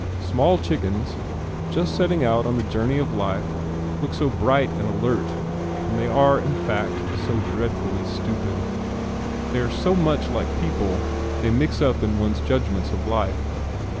Small chickens, just setting out on the journey of life, look so bright and alert and they are in fact so dreadfully stupid. They are so much like people they mix one up in one's judgments of life.